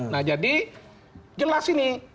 nah jadi jelas ini